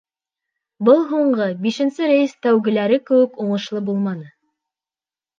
Был һуңғы, бишенсе рейс тәүгеләре кеүек уңышлы булманы.